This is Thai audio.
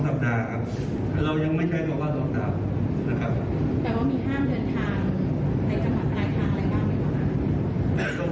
แต่ว่ามีห้ามเดินทางในจังหวังพลายทางอะไรบ้าง